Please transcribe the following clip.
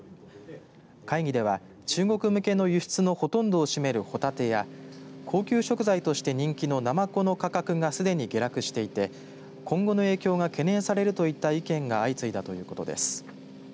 会議では中国向けの輸出のほとんどを占めるホタテや高級食材として人気のナマコの価格がすでに下落していて今後の影響が懸念されるといった意見が相次いだということです。